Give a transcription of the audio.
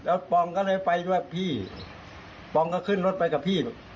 แล้วปองก็เลยไปด้วยพี่ปองก็ขึ้นรถไปกับพี่